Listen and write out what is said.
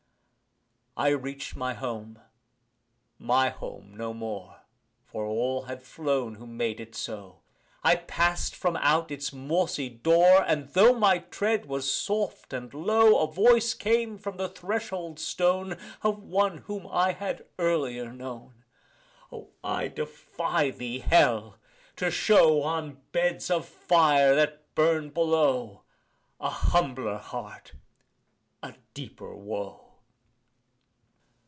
I reach'd my home my home no more For all had flown who made it so. I pass'd from out its mossy door, And, tho' my tread was soft and low, A voice came from the threshold stone Of one whom I had earlier known O, I defy thee, Hell, to show On beds of fire that burn below, A humbler heart a deeper woe.